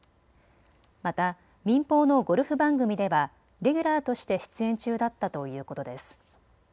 また民放のゴルフ番組ではレギュラーとして出演中だったということです。